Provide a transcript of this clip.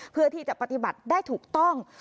เพื่อที่จะปฏิบัติได้ถูกต้อง